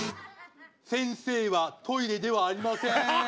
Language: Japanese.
先生はトイレではありません！